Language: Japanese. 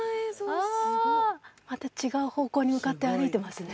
ああまた違う方向に向かって歩いてますね